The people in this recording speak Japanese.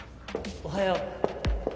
おはよう。